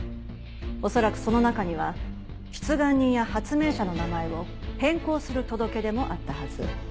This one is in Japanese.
恐らくその中には出願人や発明者の名前を変更する届け出もあったはず。